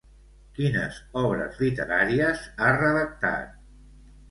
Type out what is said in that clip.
Quines obres literàries ha redactat?